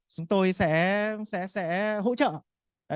chúng tôi sẽ hỗ trợ